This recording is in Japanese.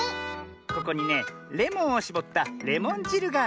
ここにねレモンをしぼったレモンじるがある。